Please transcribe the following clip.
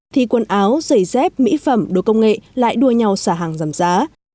thì quần áo giày dép mỹ phẩm đồ công nghệ lại đua nhau xả hàng giảm giá